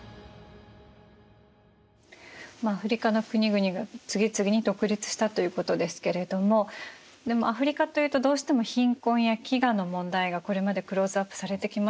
アフリカの国々が次々に独立したということですけれどもでもアフリカというとどうしても貧困や飢餓の問題がこれまでクローズアップされてきましたよね。